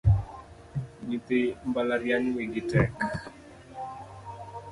Nyithi mbalariany wigi tek